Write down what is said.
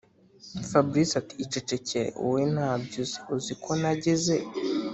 fabric ati’icecekere wowe ntabyo uzi uziko nageze